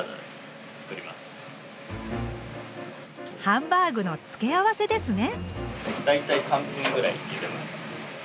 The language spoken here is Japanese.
ハンバーグの付け合わせですね！